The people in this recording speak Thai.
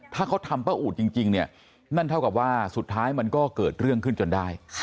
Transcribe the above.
ถ้าเขาทำป้าอูดจริงเนี่ยนั่นเท่ากับว่าสุดท้ายมันก็เกิดเรื่องขึ้นจนได้